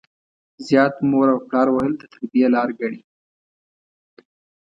زيات مور او پلار وهل د تربيې لار ګڼي.